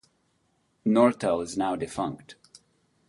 Nortel is now defunct.